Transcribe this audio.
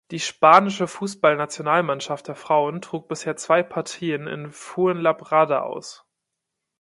Die spanische Fußballnationalmannschaft der Frauen trug bisher zwei Partien in Fuenlabrada aus.